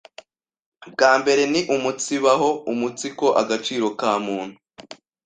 bwa mbere ni uumunsibaho umunsiko agaciro ka muntu